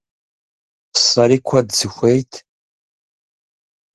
Сэри куэд сыхуейт.